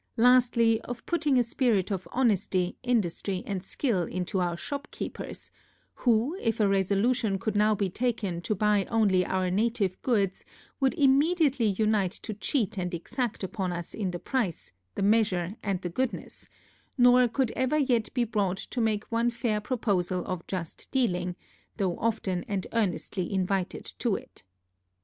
Lastly, of putting a spirit of honesty, industry, and skill into our shopkeepers, who, if a resolution could now be taken to buy only our native goods, would immediately unite to cheat and exact upon us in the price, the measure, and the goodness, nor could ever yet be brought to make one fair proposal of just dealing, though often and earnestly invited to it.